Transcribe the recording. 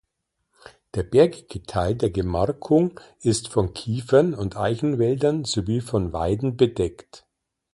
Der bergige Teil der Gemarkung ist von Kiefern- und Eichenwäldern sowie von Weiden bedeckt.